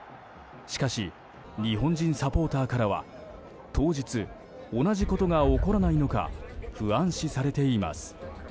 しかし、日本人サポーターからは当日、同じことが起こらないのか不安視されています。